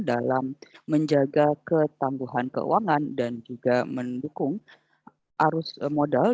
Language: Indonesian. dalam menjaga ketambuhan keuangan dan juga mendukung arus modal